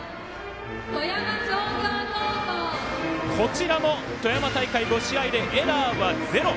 こちらも富山大会５試合でエラーはゼロ。